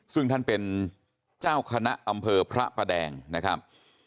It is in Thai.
ซึ่งท่านเป็นเจ้าคณะอำเภอพระประแดงนะครับ